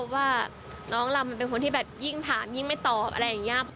ว่าน้องลำมันเป็นคนที่แบบยิ่งถามยิ่งไม่ตอบอะไรอย่างนี้